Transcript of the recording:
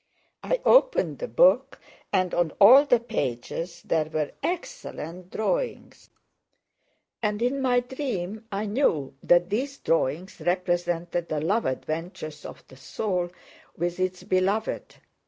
I opened the book, and on all the pages there were excellent drawings. And in my dream I knew that these drawings represented the love adventures of the soul with its beloved.